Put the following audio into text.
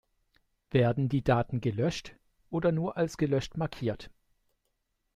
Werden die Daten gelöscht oder nur als gelöscht markiert?